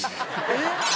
えっ！